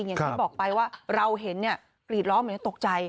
อย่างที่บอกไปว่าเราเห็นเนี่ยกรีดร้องเหมือนจะตกใจ